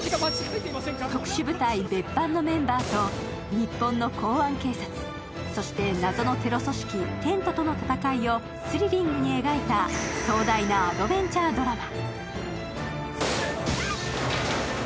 特殊部隊・別班のメンバーと日本の公安警察、そして謎のテロ組織、テントとの戦いをスリリングに描いた壮大なアドベンチャードラマ。